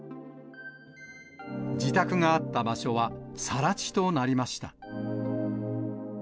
自宅があった場所は、さら地となりました。